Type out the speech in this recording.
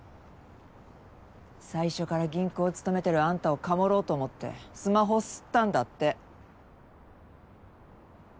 最初から銀行勤めてるあんたをカモろうと思ってスマホをスったんだって。